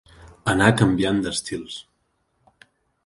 Anà canviant d'estils.